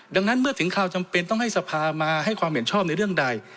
ดังนั้นเมื่อถึงคราวจำเป็นต้องให้สภามาให้ความเห็นชอบในเรื่องใด